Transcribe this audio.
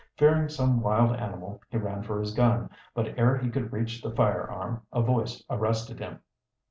Fearing some wild animal he ran for his gun, but ere he could reach the firearm a voice arrested him.